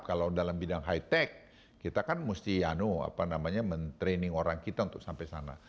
kalau dalam bidang high tech kita kan musti ya no apa namanya mentraining orang kita untuk sampai sana